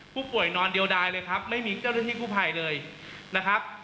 นอนเดียวดายเลยครับไม่มีเจ้าหน้าที่กู้ภัยเลยนะครับ